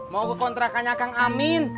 mau ke kontrakannya kang amin